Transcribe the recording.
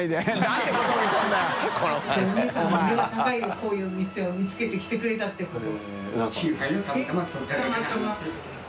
海Δいお店を見つけて来てくれたってこと。